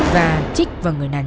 và chích vào người nạn nhân